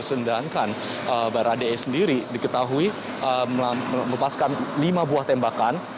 sedangkan barada e sendiri diketahui melepaskan lima buah tembakan